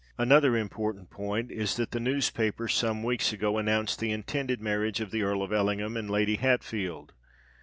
Another important point is that the newspapers some weeks ago announced the intended marriage of the Earl of Ellingham and Lady Hatfield.